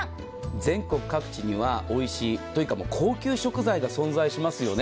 全国各地にはおいしいというか高級食材が存在しますよね。